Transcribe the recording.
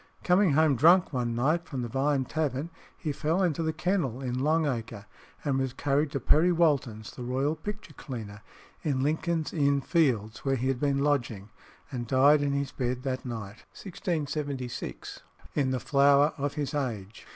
Coming home drunk late one night from the Vine Tavern, he fell into the kennel in Long Acre, and was carried to Perrey Walton's, the royal picture cleaner, in Lincoln's Inn Fields, where he had been lodging, and died in his bed that night (1676), in the flower of his age.